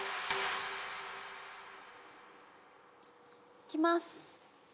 いきます